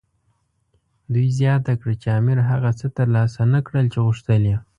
دوی زیاته کړه چې امیر هغه څه ترلاسه نه کړل چې غوښتل یې.